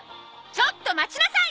ちょっと待ちなさい！！